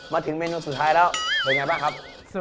มาถึงเมนูสุดท้ายแล้วเป็นไงบ้างครับ